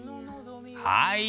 はい。